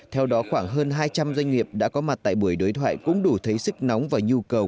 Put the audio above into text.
theo đó khoảng hơn hai trăm linh doanh nghiệp đã có mặt tại buổi đối thoại cũng đủ thấy sức nóng và nhu cầu